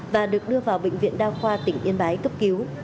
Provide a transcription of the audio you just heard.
và được đưa vào bệnh viện đa khoa tỉnh yên bái cấp cứu